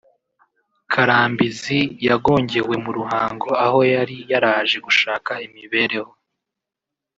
Karambizi yagongewe mu Ruhango aho yari yaraje gushaka imibereho